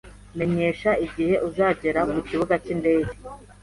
Menyesha igihe uzagera kukibuga cyindege